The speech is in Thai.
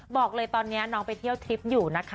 บอกเลยตอนนี้น้องไปเที่ยวทริปอยู่นะคะ